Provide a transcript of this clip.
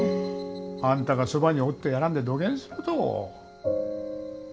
あんたがそばにおってやらんでどげんすると？